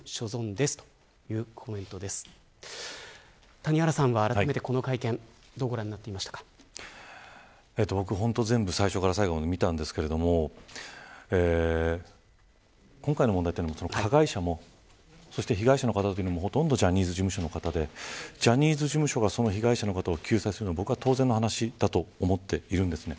谷原さんは、あらためてこの会見ど全部最初から最後まで見たんですが今回の問題は加害者も被害者の方もほとんどジャニーズ事務所の方でジャニーズ事務所が被害者の方を救済するのは当然の話だと思っているんです。